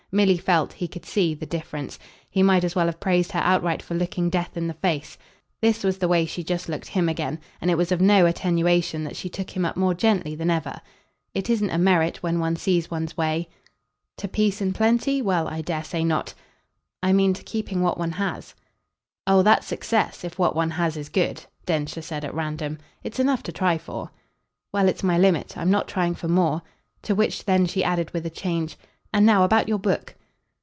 Milly felt, he could see, the difference; he might as well have praised her outright for looking death in the face. This was the way she just looked HIM again, and it was of no attenuation that she took him up more gently than ever. "It isn't a merit when one sees one's way." "To peace and plenty? Well, I dare say not." "I mean to keeping what one has." "Oh that's success. If what one has is good," Densher said at random, "it's enough to try for." "Well, it's my limit. I'm not trying for more." To which then she added with a change: "And now about your book."